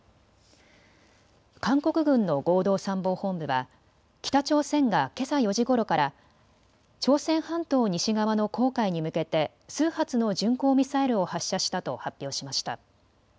韓国軍の合同参謀本部は北朝鮮がけさ４時ごろから朝鮮半島西側の黄海に向けて数発の巡航ミサイルを発射したと発表しました。